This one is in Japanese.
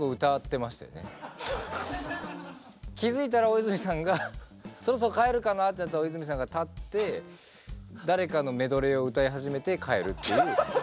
気付いたら大泉さんがそろそろ帰るかなってなったら大泉さんが立って誰かのメドレーを歌い始めて帰るっていう。